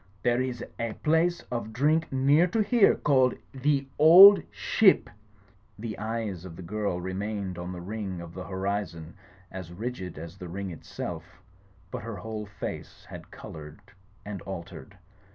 There is a place of drink near to here cafled 'The Old Ship'—" The eyes of the girl remained on the ring of the horizon as rigid as the ring itself ; but her whole face had coloured and altered.